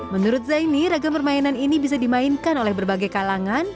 menurut zaini ragam permainan ini bisa dimainkan oleh berbagai kalangan